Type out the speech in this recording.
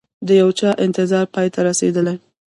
د یوچا انتظار پای ته رسیدلي